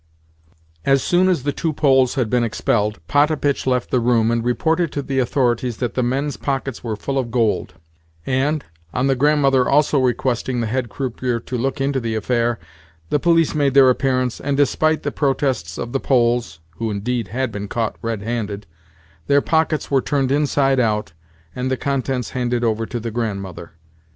As soon as the two Poles had been expelled, Potapitch left the room, and reported to the authorities that the men's pockets were full of gold; and, on the Grandmother also requesting the head croupier to look into the affair, the police made their appearance, and, despite the protests of the Poles (who, indeed, had been caught redhanded), their pockets were turned inside out, and the contents handed over to the Grandmother.